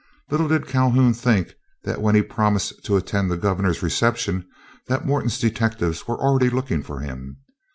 Little did Calhoun think that when he promised to attend the governor's reception that Morton's detectives were already looking for him.